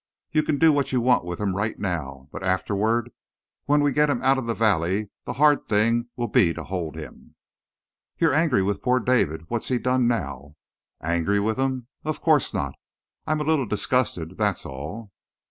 You can do what you want with him right now. But afterward when you get him out of the valley the hard thing will be to hold him." "You're angry with poor David. What's he done now?" "Angry with him? Of course not! I'm a little disgusted, that's all."